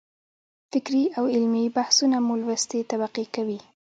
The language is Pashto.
فکري او علمي بحثونه مو لوستې طبقې کوي.